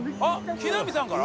木南さんから？